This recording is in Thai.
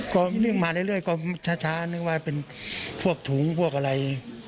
ก็นึ่งมาเรื่อยก็ช้านึกว่าเป็นพวกถุงพวกอะไร